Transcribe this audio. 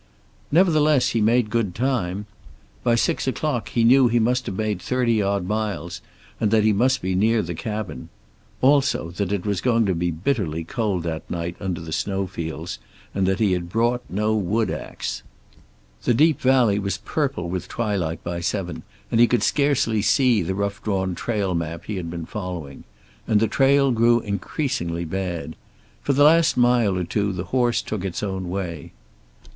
Nevertheless, he made good time. By six o'clock he knew that he must have made thirty odd miles, and that he must be near the cabin. Also that it was going to be bitterly cold that night, under the snow fields, and that he had brought no wood axe. The deep valley was purple with twilight by seven, and he could scarcely see the rough drawn trail map he had been following. And the trail grew increasingly bad. For the last mile or two the horse took its own way.